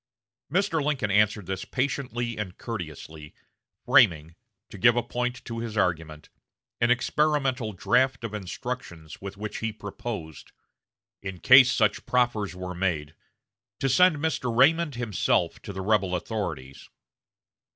Mr. Lincoln answered this patiently and courteously, framing, to give point to his argument, an experimental draft of instructions with which he proposed, in case such proffers were made, to send Mr. Raymond himself to the rebel authorities.